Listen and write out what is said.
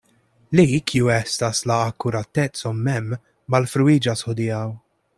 Li, kiu estas la akurateco mem, malfruiĝas hodiaŭ.